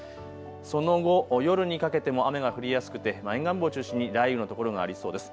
その後、夜にかけても雨が降りやすくて沿岸部を中心に雷雨の所がありそうです。